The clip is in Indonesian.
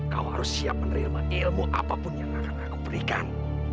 kau harus siap menerima ilmu apapun yang akan aku berikan